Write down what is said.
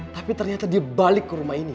tapi ternyata dia balik ke rumah ini